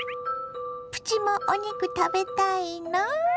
プチもお肉食べたいの？